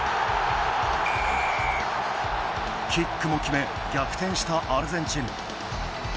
キックも決め逆転したアルゼンチン。